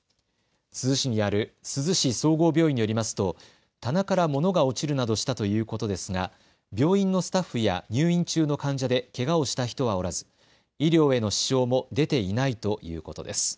珠洲市にある珠洲市総合病院によりますと棚から物が落ちるなどしたということですが病院のスタッフや入院中の患者でけがをした人はおらず医療への支障も出ていないということです。